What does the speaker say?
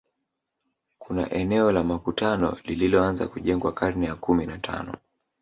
Kuna eneo la makutano lililoanza kujengwa karne ya kumi na tano